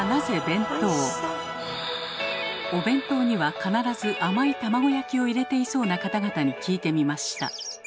お弁当には必ず甘い卵焼きを入れていそうな方々に聞いてみました。